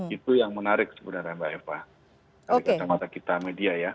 itu yang menarik sebenarnya mbak eva